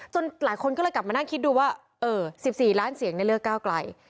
หลายคนก็เลยกลับมานั่งคิดดูว่า๑๔ล้านเสียงเลือกก้าวไกล